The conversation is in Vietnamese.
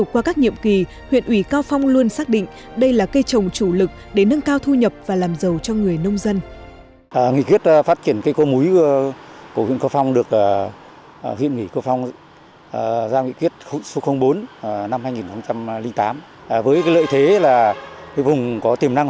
qua các nhiệm kỳ huyện ủy cao phong luôn xác định đây là cây trồng chủ lực để nâng cao thu nhập và làm giàu cho người nông dân